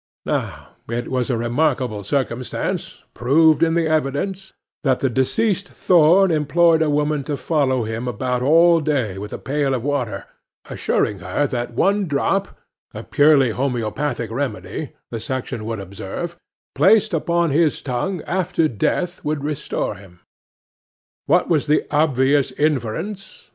Now, it was a remarkable circumstance—proved in the evidence—that the deceased Thorn employed a woman to follow him about all day with a pail of water, assuring her that one drop (a purely homoeopathic remedy, the section would observe), placed upon his tongue, after death, would restore him. What was the obvious inference?